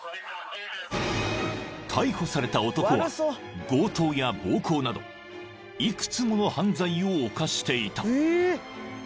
［逮捕された男は強盗や暴行など幾つもの犯罪を犯していた］